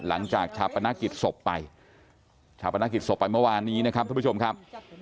หลังจากชาปนากิจศพไปเมื่อวานนี้นะครับทุกผู้ชมครับ